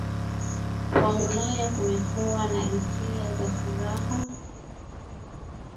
wa Ulaya Kumekuwa na hisia za furaha